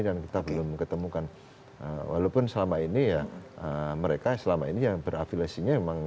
dan kita belum ketemukan walaupun selama ini ya mereka selama ini yang berafiliasinya memang